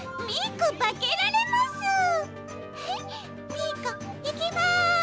ミーコいきます！